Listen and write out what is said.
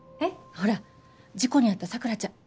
ほら事故に遭った桜ちゃん。